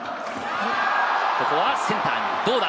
ここはセンターにどうだ？